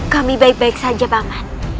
kami baik baik saja pangan